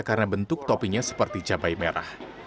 karena bentuk topinya seperti cabai merah